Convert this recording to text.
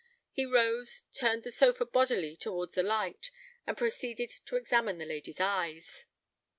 He rose, turned the sofa bodily towards the light, and proceeded to examine the lady's eyes.